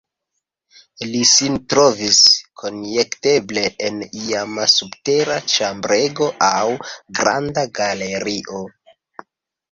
Li sin trovis konjekteble en iama subtera ĉambrego aŭ granda galerio.